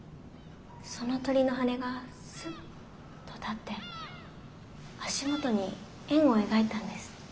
その鳥の羽根がスッと立って足元に円を描いたんです。